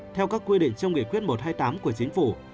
theo các quy định trong nghị quyết một trăm hai mươi tám của chính phủ